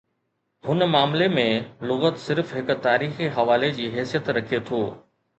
هن معاملي ۾، لغت صرف هڪ تاريخي حوالي جي حيثيت رکي ٿو.